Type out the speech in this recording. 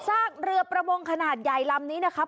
ซากเรือประมงขนาดใหญ่ลำนี้นะครับ